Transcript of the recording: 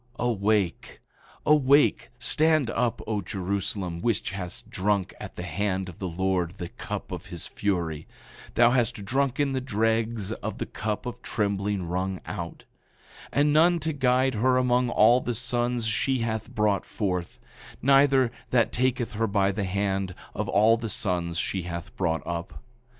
8:17 Awake, awake, stand up, O Jerusalem, which hast drunk at the hand of the Lord the cup of his fury—thou hast drunken the dregs of the cup of trembling wrung out— 8:18 And none to guide her among all the sons she hath brought forth; neither that taketh her by the hand, of all the sons she hath brought up.